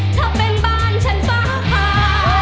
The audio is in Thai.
ถ้าเป็นบ้านฉันฟ้าพา